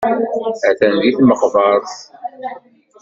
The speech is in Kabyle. Atan deg tmeqbert.